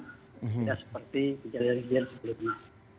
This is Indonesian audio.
tidak seperti di daerah daerah sebelumnya